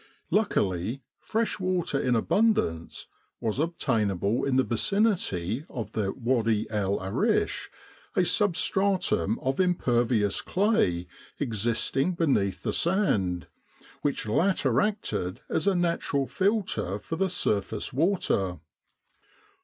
Luckily, fresh water in abundance With the R.A.M.C. in Egypt was obtainable in the vicinity of the Wady el Arish, a substratum of impervious clay existing beneath the sand, which latter acted as a natural filter for the surface water.